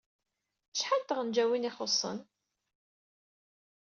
Acḥal n tɣenjayin ay ixuṣṣen?